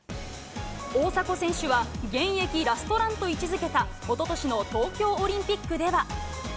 大迫選手は、現役ラストランと位置づけた、おととしの東京オリンピックでは。